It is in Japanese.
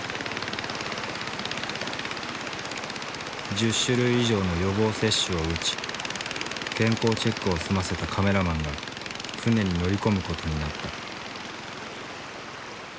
１０種類以上の予防接種をうち健康チェックを済ませたカメラマンが船に乗り込む事になった。